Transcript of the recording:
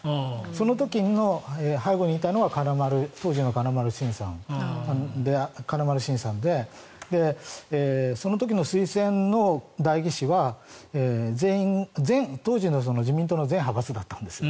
その時の背後にいたのは当時の金丸信さんでその時の推薦の代議士は当時の自民党の全派閥だったんです。